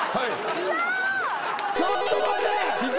ちょっと待て！